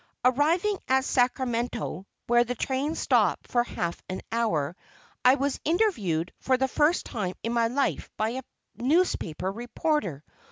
Arriving at Sacramento, where the train stopped for half an hour, I was "interviewed" for the first time in my life by a newspaper reporter.